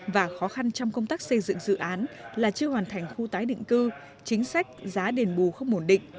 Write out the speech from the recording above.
và khó khăn trong công tác xây dựng dự án là chưa hoàn thành khu tái định cư chính sách giá đền bù không ổn định